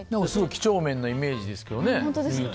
几帳面なイメージですけどね。